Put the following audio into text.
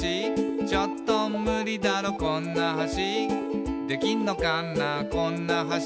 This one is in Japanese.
「ちょっとムリだろこんな橋」「できんのかなこんな橋」